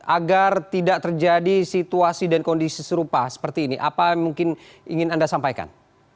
agar tidak terjadi situasi dan kondisi serupa seperti ini apa yang mungkin ingin anda sampaikan